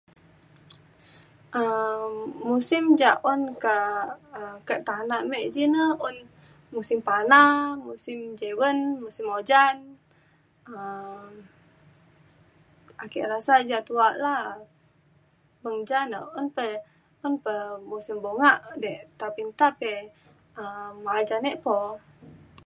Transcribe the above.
um musim ja un kak um kak tanak me ji na un musim pana musim jiwen musim ujan um ake rasa ja tuak la beng ja na un pe un pe musim bungak di tapi meka pe um maja ne po